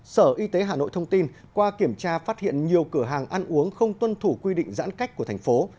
sở y tế hà nội thông tin qua kiểm tra phát hiện nhiều cửa hàng ăn uống không tuân thủ quy định giãn cách của thành phố